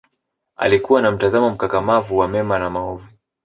alikua na mtazamo mkakamavu wa mema na maovu